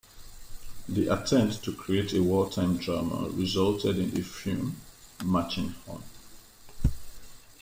The attempt to create a wartime drama resulted in the film "Marching On!".